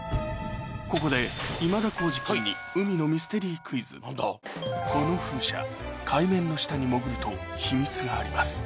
ここで今田耕司君にこの風車海面の下に潜ると秘密があります